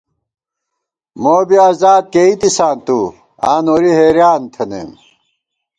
موبی اذاد کېئیتِساں تُو، آں نوری حېریاں تھنَئیم